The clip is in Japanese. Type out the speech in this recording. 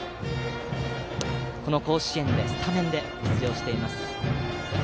甲子園でスタメンで出場しています。